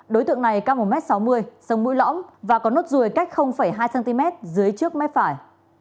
đối tượng này cao một m sáu mươi sống mũi lõm và có nốt ruồi cách hai cm dưới trước mép phải